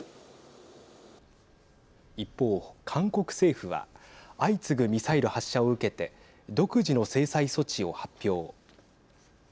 一方、韓国政府は相次ぐミサイル発射を受けて独自の制裁措置を発表。